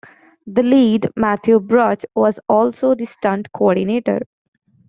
The lead, Matthew Bruch, was also the Stunt Coordinator.